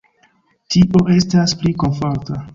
Tio estas pli komforta.